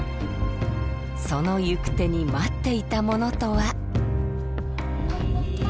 その行く手に待っていたものとは。